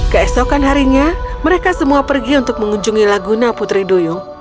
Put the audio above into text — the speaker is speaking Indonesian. keesokan harinya mereka semua pergi untuk mengunjungi laguna putri duyung